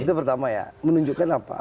itu pertama ya menunjukkan apa